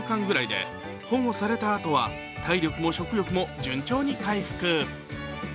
子猫は生後３週間ぐらいで保護されたあとは体力も食欲も順調に回復。